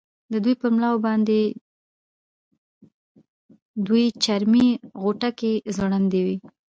د دوی پر ملاو باندې دوې چرمي غوټکۍ ځوړندې وې.